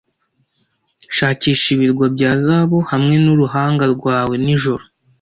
shakisha ibirwa bya zahabu hamwe nuruhanga rwawe nijoro